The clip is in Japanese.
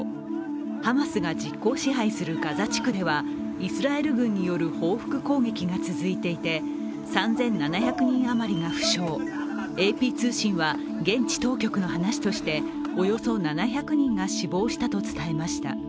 ハマスが実効支配するガザ地区ではイスラエル軍による報復攻撃が続いていて、３７００人余りが負傷、ＡＰ通信は現地当局の話としておよそ７００人が死亡したと伝えました。